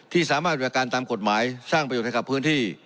ที่สามารถบริการตามกฎหมายสร้างประโยชน์ให้กับพื้นที่